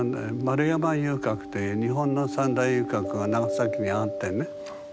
丸山遊郭っていう日本の三大遊郭が長崎にあってね